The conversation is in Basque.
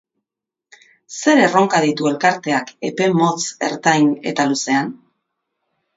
Zer erronka ditu elkarteak epe motz, ertain eta luzean?